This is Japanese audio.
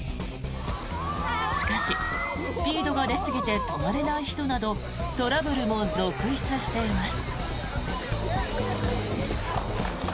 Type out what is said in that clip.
しかし、スピードが出すぎて止まれない人などトラブルも続出しています。